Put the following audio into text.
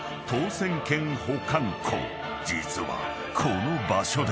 ［実はこの場所で］